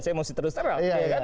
saya masih terus terang